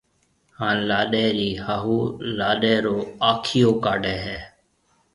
ھاڻ لاڏَي رِي ھاھُو لاڏَي رو آکيو ڪاڊَي ھيََََ